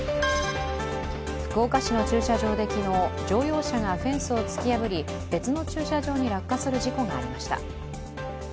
福岡市の駐車場で昨日、乗用車がフェンスを突き破り別の駐車場に落下する事故がありました。